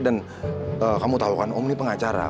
dan kamu tau kan om ini pengacara